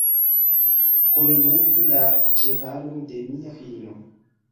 Konduku la ĉevalon de mia filino.